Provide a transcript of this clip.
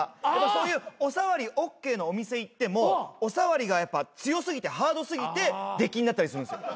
そういうお触りＯＫなお店行ってもお触りがやっぱ強過ぎてハード過ぎて出禁になったりするんですよ。